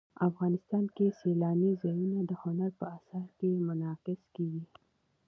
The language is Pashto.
افغانستان کې سیلانی ځایونه د هنر په اثار کې منعکس کېږي.